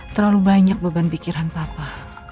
terlalu banyak beban pikiran papa